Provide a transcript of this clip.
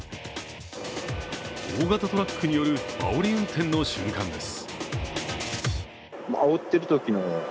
大型トラックによるあおり運転の瞬間です。